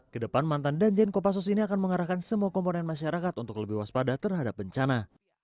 kedepan mantan danjen kopassus ini akan mengarahkan semua komponen masyarakat untuk lebih waspada terhadap bencana